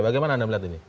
bagaimana anda melihat ini